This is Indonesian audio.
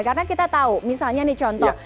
karena kita tahu misalnya nih contoh